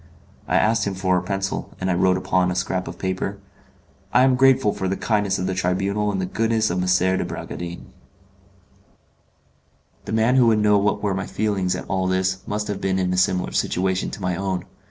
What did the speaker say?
I asked him for a pencil, and I wrote upon a scrap of paper: "I am grateful for the kindness of the Tribunal and the goodness of M. de Bragadin." The man who would know what were my feelings at all this must have been in a similar situation to my own.